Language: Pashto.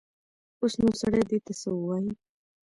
اوس نو سړی ده ته څه ووايي.